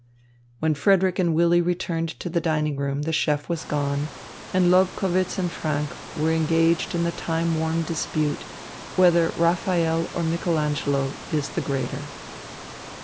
When Frederick and Willy returned to the dining room, the chef was gone, and Lobkowitz and Franck were engaged in the time worn dispute, whether Raphael or Michael Angelo is the greater.